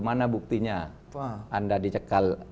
mana buktinya anda dicekal